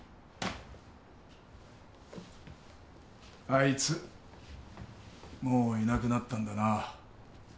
あいつもういなくなったんだな。